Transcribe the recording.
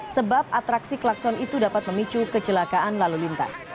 sebab atraksi klakson itu dapat memicu kecelakaan lalu lintas